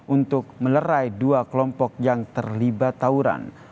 untuk melerai dua kelompok yang terlibat tawuran